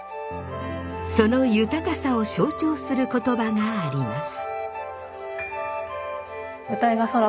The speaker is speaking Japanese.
その豊かさを象徴する言葉があります。